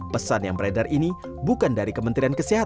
pesan yang beredar ini bukan dari kementerian kesehatan